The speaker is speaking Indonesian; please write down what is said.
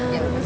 jalan dulu ya